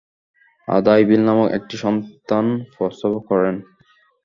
আদা ইবিল নামক একটি সন্তান প্রসব করেন।